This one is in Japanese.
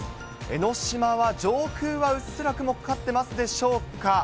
江の島は上空はうっすら雲かかってますでしょうか。